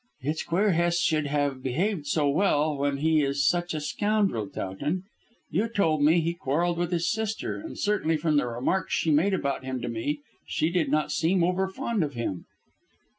"It's queer Hest should have behaved so well, when he is such a scoundrel, Towton. You told me that he quarrelled with his sister, and certainly from the remarks she made about him to me, she did not seem over fond of him."